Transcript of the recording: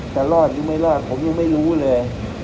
จะรอดหรือไม่รอดผมยังไม่รู้เลย